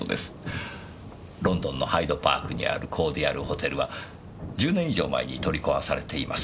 ロンドンのハイドパークにあるコーディアルホテルは１０年以上前に取り壊されています。